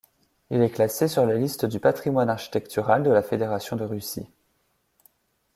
Il est classé sur la liste du patrimoine architectural de la Fédération de Russie.